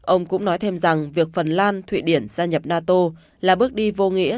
ông cũng nói thêm rằng việc phần lan thụy điển gia nhập nato là bước đi vô nghĩa